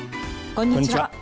こんにちは。